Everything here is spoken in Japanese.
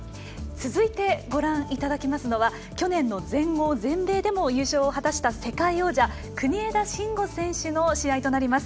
続いて、ご覧いただきますのは去年の全豪、全米でも優勝を果たした世界王者国枝慎吾選手の試合となります。